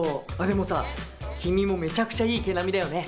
でもさ君もめちゃくちゃいい毛並みだよね。